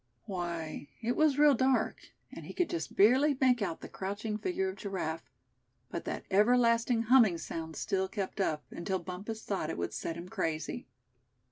Why, it was real dark, and he could just barely make out the crouching figure of Giraffe; but that everlasting humming sound still kept up, until Bumpus thought it would set him crazy.